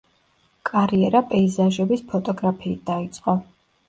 კარიერა პეიზაჟების ფოტოგრაფიით დაიწყო.